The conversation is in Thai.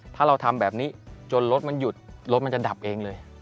ถ้าเราทำแบบนี้จนรถมันหยุดรถมันจะดับเองเลย